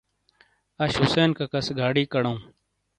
آش حُسین ککا سے گاڈیک اڈوں۔